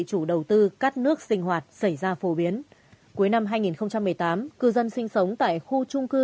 chủ đầu tư cắt nước sinh hoạt xảy ra phổ biến cuối năm hai nghìn một mươi tám cư dân sinh sống tại khu trung cư